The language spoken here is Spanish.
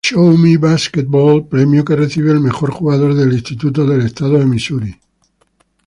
Show-Me Basketball", premio que recibe el mejor jugador de instituto del estado de Missouri.